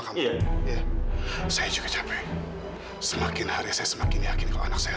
sampai jumpa di video selanjutnya